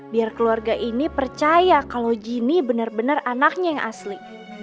biar keluarga ini percaya kalau jinny benar benar anaknya yang asli